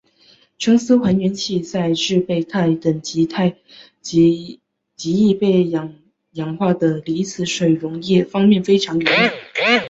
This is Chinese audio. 琼斯还原器在制备钛等极易被氧化的离子水溶液方面非常有用。